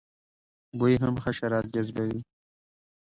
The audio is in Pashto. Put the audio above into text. بوی هم حشرات جذبوي